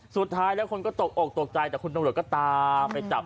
สุดท้ายแล้วคนก็ตกอกตกใจแต่คุณตำรวจก็ตามไปจับ